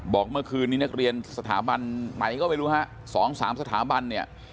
เมื่อคืนนี้นักเรียนสถาบันไหนก็ไม่รู้ฮะสองสามสถาบันเนี่ย